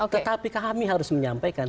tetapi kami harus menyampaikan